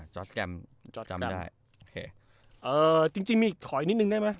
จ๊อสแกรมจำได้จริงขออีกนิดนึงได้มั้ย